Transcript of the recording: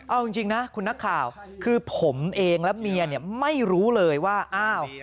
เอาจริงนะคุณนักข่าวคือผมเองและเมียเนี่ยไม่รู้เลยว่าอ้าว